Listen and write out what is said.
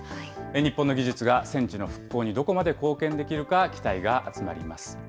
日本の技術が戦地の復興にどこまで貢献できるか期待が集まります。